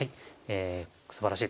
すばらしい。